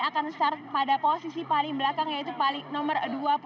akan menjuarai di posisi paling belakang yaitu nomor dua puluh dua